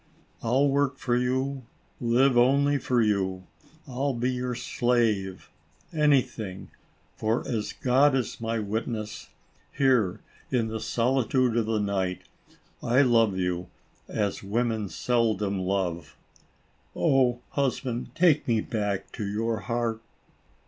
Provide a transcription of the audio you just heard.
I'll work for you, live only for you ; I'll be your slave — anything — for, as God is my wit ness, here, in the solitude of the night, I love you, as women seldom love. Oh, husband, take me back to your heart